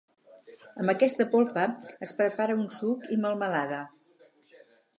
Amb aquesta polpa es prepara un suc i melmelada.